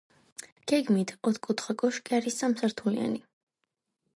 გეგმით ოთხკუთხა კოშკი არის სამ სართულიანი.